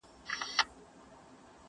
هم په لوبو هم په ټال کي پهلوانه!